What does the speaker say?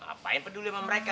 ngapain peduli sama mereka